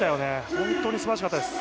本当にすばらしかったです。